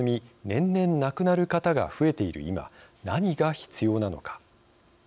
年々、亡くなる方が増えている今何が必要なのか。